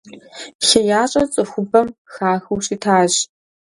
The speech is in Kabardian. ХеящӀэр цӀыхубэм хахыу щытащ.